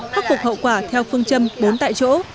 khắc phục hậu quả theo phương châm bốn tại chỗ